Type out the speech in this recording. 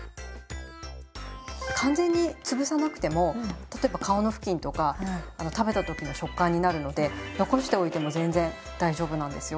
完全につぶさなくても例えば皮の付近とか食べた時の食感になるので残しておいても全然大丈夫なんですよ。